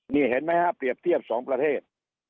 นี่เห็นไหมฮะเปรียบเทียบ๒ประเทศ